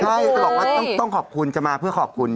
ใช่ต้องขอบคุณจะมาเพื่อขอบคุณ